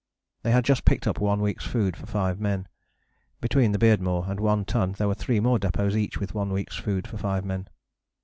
They had just picked up one week's food for five men: between the Beardmore and One Ton were three more depôts each with one week's food for five men.